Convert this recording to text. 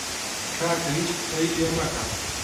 کاکە هیچ قسەی لێ مەکە!